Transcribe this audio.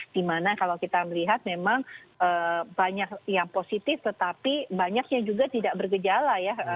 dimana kalau kita melihat memang banyak yang positif tetapi banyaknya juga tidak bergejala ya